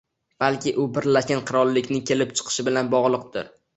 Balki bu Birlashgan Qirollikning kelib chiqishi bilan bogʻliqdir.